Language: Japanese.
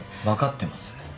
分かってます。